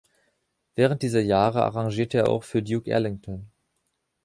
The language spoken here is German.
Während dieser Jahre arrangierte er auch für Duke Ellington.